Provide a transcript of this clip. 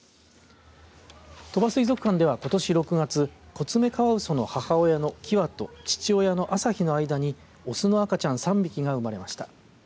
鳥羽水族館では、ことし６月コツメカワウソの母親のキワと父親のアサヒの間に雄の赤ちゃん３匹が生まれました。